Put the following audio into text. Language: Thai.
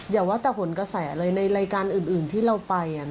อย่าว่าแต่หนกระแสเลยในรายการอื่นที่เราไป